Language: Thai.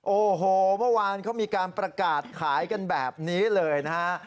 โอ้โหเมื่อวานเขามีการประกาศขายกันแบบนี้เลยนะฮะ